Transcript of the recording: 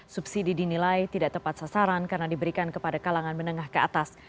subsidi dinilai tidak tepat sasaran karena diberikan kepada kalangan menengah ke atas